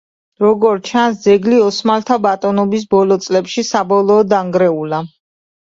როგორც ჩანს, ძეგლი ოსმალთა ბატონობის ბოლო წლებში საბოლოოდ დანგრეულა.